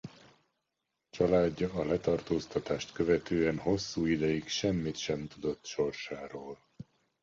Családja a letartóztatást követően hosszú ideig semmit sem tudott sorsáról.